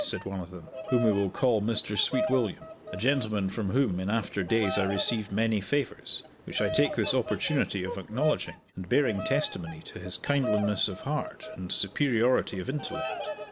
said one of them, whom we will call Mr. Sweetwilliam; a gentleman from whom, in after days, I received many favors, which I take this opportunity of acknowledging, and bearing testimony to his kindliness of heart and superiority of intellect.